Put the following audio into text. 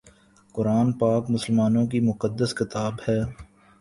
قرآن پاک مسلمانوں کی مقدس کتاب ہے